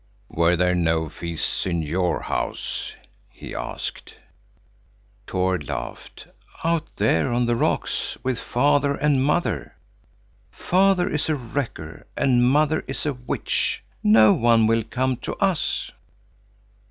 "Were there no feasts in your house?" he asked. Tord laughed. "Out there on the rocks with father and mother! Father is a wrecker and mother is a witch. No one will come to us."